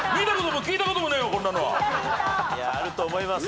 あると思いますよ。